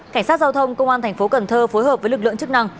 cảnh sát giao thông công an thành phố cần thơ phối hợp với lực lượng chức năng